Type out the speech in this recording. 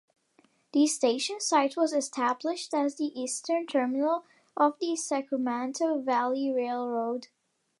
The station site was established as the eastern terminal of the Sacramento Valley Railroad.